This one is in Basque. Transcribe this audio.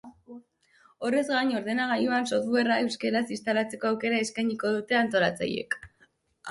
Horrez gain, ordenagailuan softwarea euskaraz instalatzeko aukera eskainiko dute antolatzaileek.